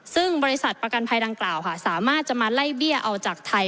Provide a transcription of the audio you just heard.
ซึ่งบริษัทประกันภัยดังกล่าวค่ะสามารถจะมาไล่เบี้ยเอาจากไทย